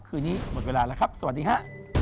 คืนนี้หมดเวลาแล้วครับสวัสดีฮะ